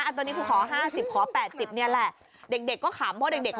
อันตัวนี้คุณขอห้าสิบขอแปดสิบเนี่ยแหละเด็กก็ขำว่าเด็ก